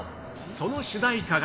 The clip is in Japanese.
その主題歌が。